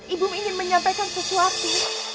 ibu ingin menyampaikan sesuatu